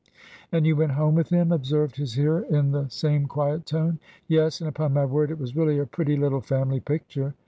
"And you went home with him?" observed his hearer, in the same quiet tone. "Yes; and upon my word it was really a pretty little family picture.